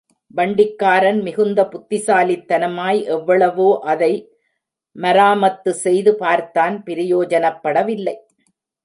வண்டிக்காரன் மிகுந்த புத்திசாலித்தனமாய் எவ்வளவோ அதை மராமத்து செய்து பார்த்தான் பிரயோஜனப்படவில்லை.